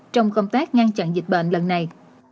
trong công tác ngăn chặn dịch bệnh lần này